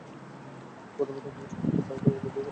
প্রথমত, আমি আজ পর্যন্ত কাউকে, লোভের কারণে মরতে, দেখি নাই।